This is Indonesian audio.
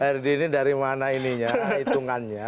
rd ini dari mana ininya hitungannya